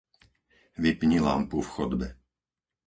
Vypni lampu v chodbe.